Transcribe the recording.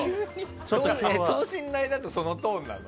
等身大だと、そのトーンなの？